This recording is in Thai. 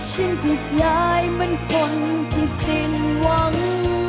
ฉันคือใจเหมือนคนที่สิ้นหวัง